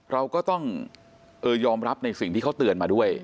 เราก็ต้องยอมรับในสิ่งที่เขาเตือนมาด้วย